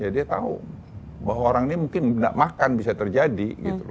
dia tahu bahwa orang ini mungkin tidak makan bisa terjadi